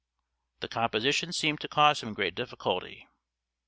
The composition seemed to cause him great difficulty.